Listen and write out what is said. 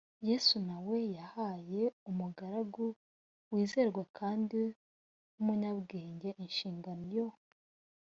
yesu na we yahaye umugaragu wizerwa kandi w umunyabwenge inshingano yo